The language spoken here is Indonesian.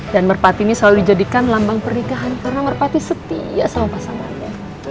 dan merpati ini selalu dijadikan lambang pernikahan karena merpati setia sama pasangannya